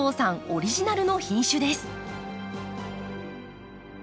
オリジナルの品種です。